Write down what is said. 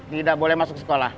tidak boleh masuk sekolah